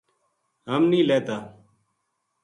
ہم نیہہ لہتا